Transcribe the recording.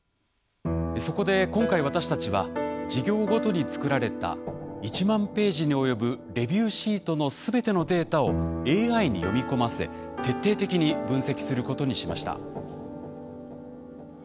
そこで今回私たちは事業ごとに作られた１万ページに及ぶレビューシートの全てのデータをＡＩに読み込ませ徹底的に分析することにしました。